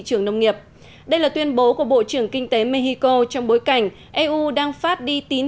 trưởng nông nghiệp đây là tuyên bố của bộ trưởng kinh tế mexico trong bối cảnh eu đang phát đi tín